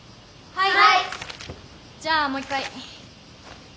はい。